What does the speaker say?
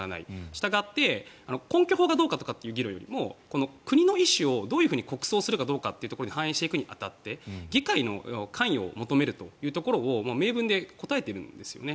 したがって根拠法がどうかという議論よりも国の意思をどういうふうに国葬するかということに反映していくかによって議会の関与を求めるというところを明文で答えているんですよね。